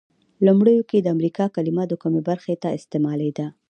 لومړیو کې د امریکا کلمه د کومې برخې ته استعمالیده؟